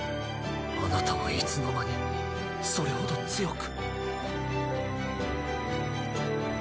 あなたはいつの間にそれほど強く。